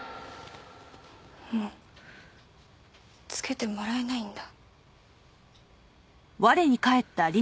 もう付けてもらえないんだ。